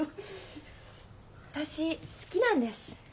私好きなんです。